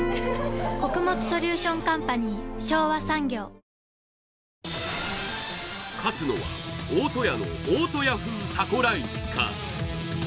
新しくなった勝つのは大戸屋の大戸屋風タコライスか？